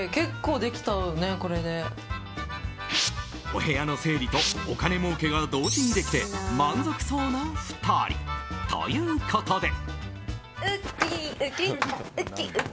お部屋の整理とお金もうけが同時にできて満足そうな２人。ということで。